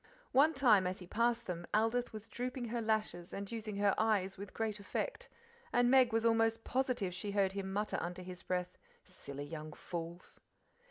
One time as he passed them Aldith was drooping her lashes and using her eyes with great effect, and Meg was almost positive she heard him mutter under his breath, "Silly young fools!"